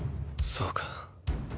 そうか。